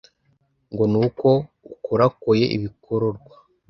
ngo n'uko ukorakoye ibikororwa